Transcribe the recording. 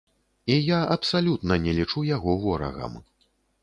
І я абсалютна не лічу яго ворагам.